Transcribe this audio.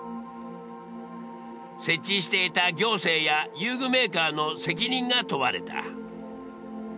設置していた行政や遊具メーカーの責任が問われた。